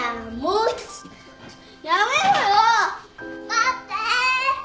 待って。